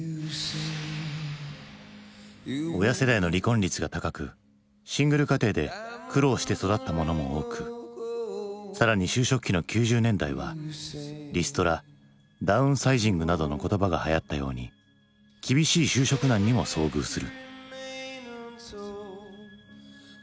親世代の離婚率が高くシングル家庭で苦労して育った者も多く更に就職期の９０年代は「リストラ」「ダウンサイジング」などの言葉がはやったように厳しい就職難にも遭遇する。